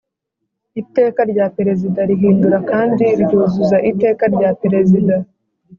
Iteka rya Perezida rihindura kandi ryuzuza Iteka rya Perezida